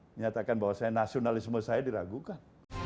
menyatakan bahwa saya nasionalisme saya diragukan